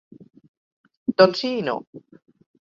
Doncs sí i no.